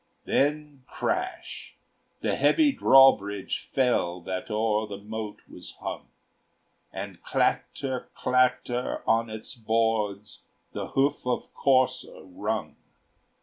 Then, crash! the heavy drawbridge fell That o'er the moat was hung; And, clatter, clatter, on its boards The hoof of courser rung.